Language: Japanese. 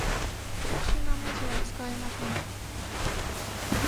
特殊な文字は、使えません。